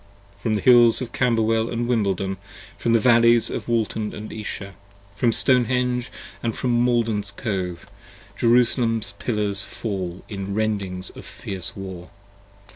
From the Hills of Camberwell & Wimbledon, from the Valleys Of Walton & Esher, from Stone henge & from Maiden's Cove, 45 Jerusalem's Pillars fall in the rendings of fierce War.